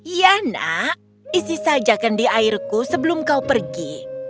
ya nak isi saja kan di airku sebelum kau pergi